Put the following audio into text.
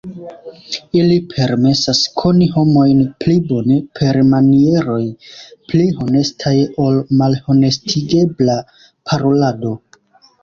Ili permesas koni homojn pli bone, per manieroj pli honestaj ol malhonestigebla parolado.